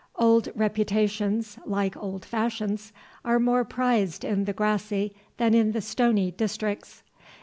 Old reputations, like old fashions, are more prized in the grassy than in the stony districts.